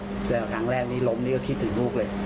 เจอครั้งแรกนี้ล้มนี่ก็คิดถึงลูกเลย